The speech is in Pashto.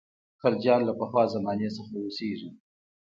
خلجیان له پخوا زمانې څخه اوسېږي.